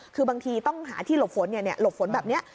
คือบางทีต้องหาที่หลบฝนหลบฝนแบบนี้